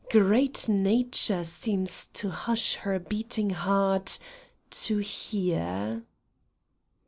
Great Nature seems to hush her beating heart to hear.